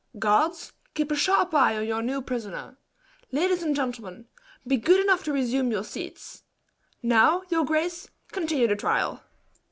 Guards keep a sharp eye on your new prisoner. Ladies and gentlemen, be good enough to resume your seats. Now, your grace, continue the trial."